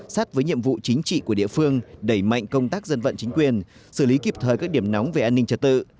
sát với nhiệm vụ chính trị của địa phương đẩy mạnh công tác dân vận chính quyền xử lý kịp thời các điểm nóng về an ninh trật tự